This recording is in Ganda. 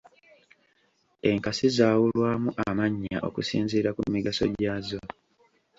Enkasi zaawulwamu amannya okusinziira ku migaso gyazo.